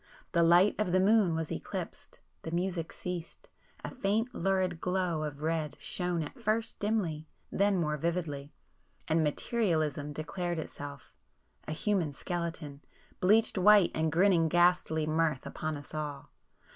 The light of the moon was eclipsed,—the music ceased; a faint lurid glow of red shone at first dimly, then more vividly,—and 'Materialism' declared itself,—a human skeleton, bleached white and grinning ghastly mirth upon us all!